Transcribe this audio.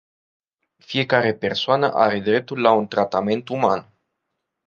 Fiecare persoană are dreptul la un tratament uman.